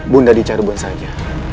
bunda di caruban saja